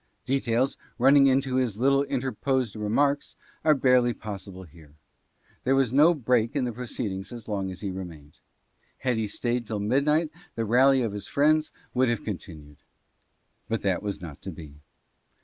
Details, running into his little interposed remarks, are barely possible here. There was no break in the proceedings as long as he remained. Had he stayed till mid night the rally of his friends would have continued. But that was not to be.